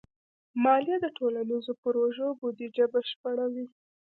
مالیه د ټولنیزو پروژو بودیجه بشپړوي.